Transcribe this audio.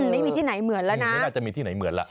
ไม่มีที่ไหนเหมือนแล้วนะไม่น่าจะมีที่ไหนเหมือนล่ะ